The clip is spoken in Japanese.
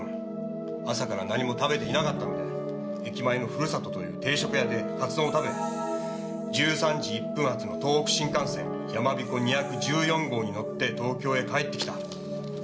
朝から何も食べていなかったので駅前のふるさとという定食屋でカツ丼を食べ１３時１分発の東北新幹線やまびこ２１４号に乗って東京へ帰ってきた。